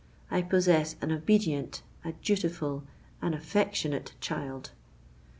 I possess an obedient—a dutiful—an affectionate child!